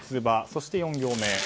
そして４行目。